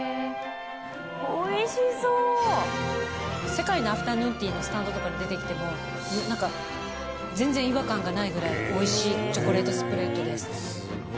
世界のアフタヌーンティーのスタンドとかに出てきても全然違和感がないぐらいおいしいチョコレートスプレッドです。